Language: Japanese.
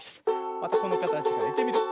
またこのかたちからいってみるよ。